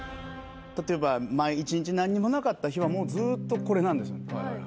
例えば１日何にもなかった日はずっとこれなんですよ。